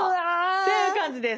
っていう感じです。